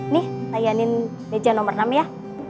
nih layanin meja nomor enam ya